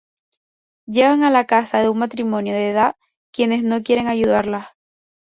Llegan a la casa de un matrimonio de edad quienes no quieren ayudarlas.